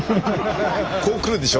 こう来るでしょ？